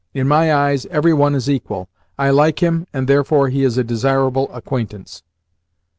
In my eyes every one is equal. I like him, and therefore he is a desirable acquaintance."